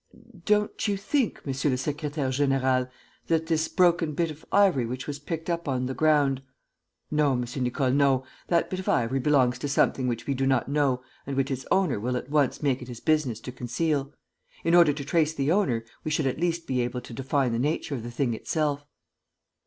"Don't you think, monsieur le secrétaire; général, that this broken bit of ivory which was picked up on the ground...." "No, M. Nicole, no. That bit of ivory belongs to something which we do not know and which its owner will at once make it his business to conceal. In order to trace the owner, we should at least be able to define the nature of the thing itself."